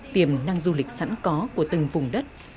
tiềm năng du lịch sẵn có của từng vùng đất